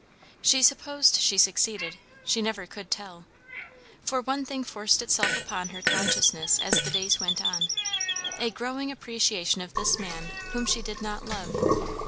She supposed she succeeded; she never could tell. For one other thing forced itself upon her consciousness as the days went on a growing appreciation of this man whom she did not love.